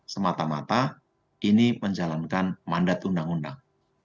semata mata ini menjalankan mandat undang undang